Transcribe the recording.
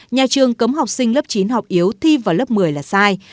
nhà trường cấm học sinh lớp chín học yếu thi vào lớp một mươi là sai